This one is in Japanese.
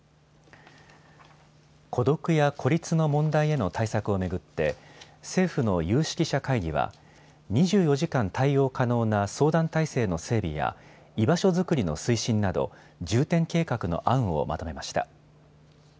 孤独や孤立の問題への対策を巡って政府の有識者会議は２４時間対応可能な相談体制の整備や居場所づくりの推進など重点計画の案をまとめました。